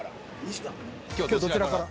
今日どちらから？